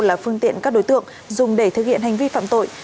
là phương tiện các đối tượng dùng để thực hiện hành vi phạm tội